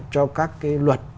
cho các cái luật